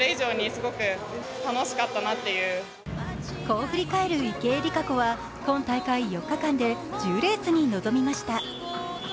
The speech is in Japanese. こう振り返る池江璃花子は今大会４日間で１０レースに臨みました。